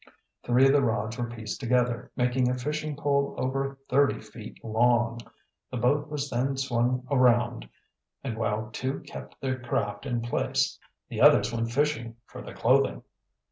Three of the rods were pieced together, making a fishing pole over thirty feet long. The boat was then swung around, and while two kept the craft in place the others went fishing for the clothing.